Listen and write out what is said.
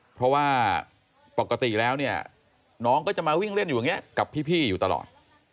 เพราะว่าปกติแล้วเนี่ยน้องก็จะมาวิ่งเล่นอยู่อย่างนี้กับพี่อยู่ตลอด